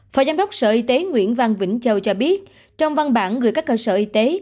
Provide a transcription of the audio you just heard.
phó giám đốc sở y tế nguyễn văn vĩnh châu cho biết trong văn bản gửi các cơ sở y tế